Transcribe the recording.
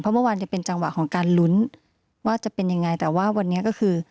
เมื่อวานจะเป็นจังหวะของการลุ้นว่าจะเป็นยังไงแต่ว่าวันนี้ก็คือ